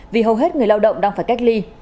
vì hầu hết người lao động đang phải cách ly